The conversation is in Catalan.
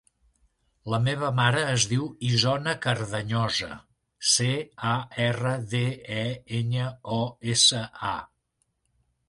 La meva mare es diu Isona Cardeñosa: ce, a, erra, de, e, enya, o, essa, a.